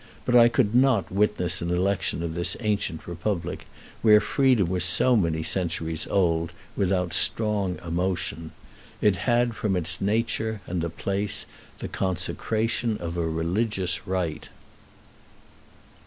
But I could not witness an election of this ancient republic, where Freedom was so many centuries old, without strong emotion; it had from its nature and the place the consecration of a religious rite.